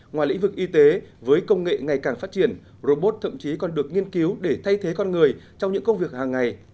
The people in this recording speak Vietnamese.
ngoài lĩnh vực y tế với công nghệ ngày càng phát triển robot thậm chí còn được nghiên cứu để thay thế con người trong những công việc hàng ngày